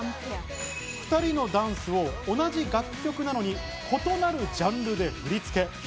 ２人のダンスを同じ楽曲なのに異なるジャンルで振り付け。